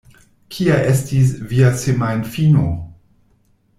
Kia estis via semajnfino?